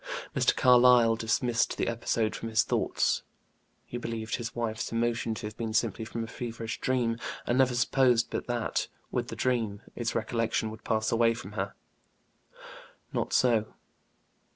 Mr. Carlyle dismissed the episode from his thoughts; he believed his wife's emotion to have been simply from a feverish dream, and never supposed but that, with the dream, its recollection would pass away from her. Not so.